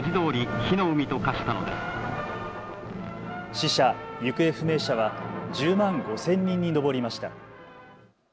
死者・行方不明者は１０万５０００人に上りました。